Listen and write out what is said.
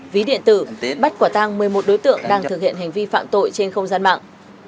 ví điện tử bắt quả tăng một mươi một đối tượng đang thực hiện hành vi phạm tội trên không gian mạng